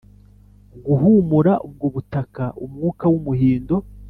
guhumura ubwo butaka, umwuka wumuhindo,